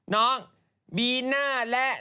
น้องบีน่าและ